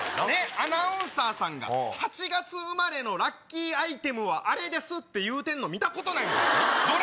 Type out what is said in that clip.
アナウンサーさんが８月生まれのラッキーアイテムはあれです！って言うてるの見たことないどれ